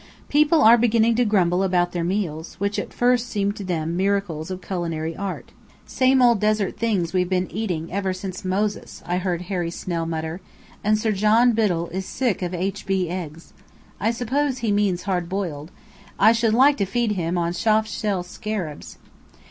People are beginning to grumble about their meals, which at first seemed to them miracles of culinary art. "Same old desert things we've been eating ever since Moses," I heard Harry Snell mutter. And Sir John Biddell is sick of h. b. eggs. I suppose he means hard boiled. I should like to feed him on soft shell scarabs!